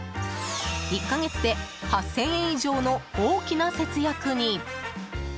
１か月で８０００円以上の大きな節約に。